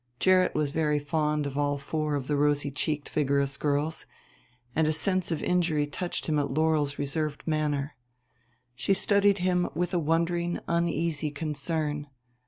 Gerrit was very fond of all four of the rosy cheeked vigorous girls, and a sense of injury touched him at Laurel's reserved manner. She studied him with a wondering uneasy concern.